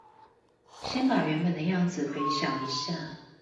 先把原本的樣子回想一下